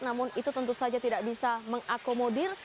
namun itu tentu saja tidak bisa mengakomodir